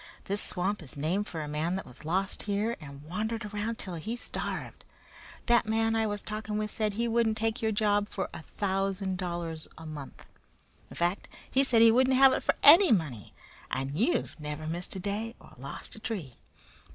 This swamp is named for a man that was lost here and wandered around 'til he starved. That man I was talking with said he wouldn't take your job for a thousand dollars a month in fact, he said he wouldn't have it for any money, and you've never missed a day or lost a tree.